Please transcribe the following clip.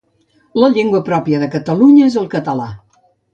La llengua pròpia de Catalunya és el català.